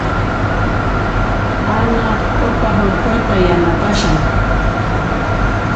Ana q'upa hurquyta yanapashan.